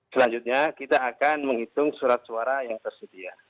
dan kemudian kita akan menghitung surat suara yang tersedia